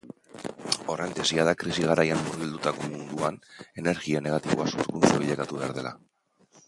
Horren tesia da krisi-garaian murgildutako munduan energia negatiboa sorkuntza bilakatu behar dela.